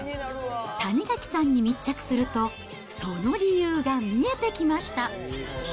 谷垣さんに密着すると、その理由が見えてきました。